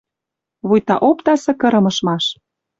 Вуйта опта сакырым ышмаш.